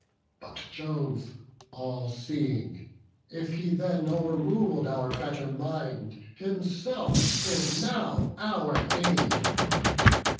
But Jove all seeing, if he then o'errul'd Our better mind, himself is now our aid."